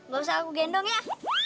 gak usah aku gendong ya